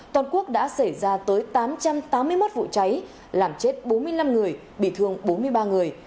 toàn quốc đã xảy ra tới tám trăm tám mươi một vụ cháy làm chết bốn mươi năm người bị thương bốn mươi ba người